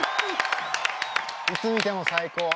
いつ見ても最高。